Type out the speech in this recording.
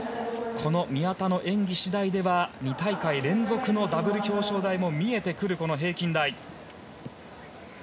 宮田の演技次第では２大会連続のダブル表彰台も見えてくる平均台。